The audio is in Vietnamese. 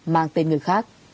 mang tên người khác